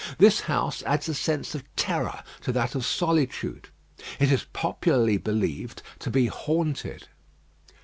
This house adds a sense of terror to that of solitude. It is popularly believed to be haunted.